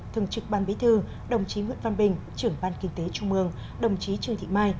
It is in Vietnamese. thường trực ban bí thư đồng chí nguyễn văn bình trưởng ban kinh tế trung mương đồng chí trương thị mai